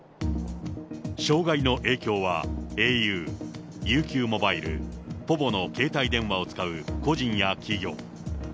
障害の影響はａｕ、ＵＱモバイル、ｐｏｖｏの携帯電話を使う個人や企業。